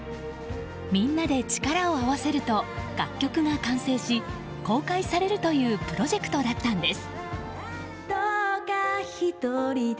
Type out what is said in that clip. みんなで力を合わせると楽曲が完成し、公開されるというプロジェクトだったんです。